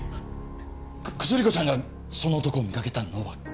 く薬子ちゃんがその男を見かけたのは今朝。